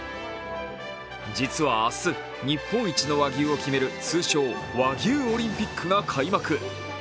実は明日、日本一の和牛を決める通称、和牛オリンピックが開幕。